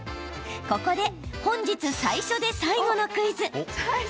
ここで本日最初で最後のクイズ。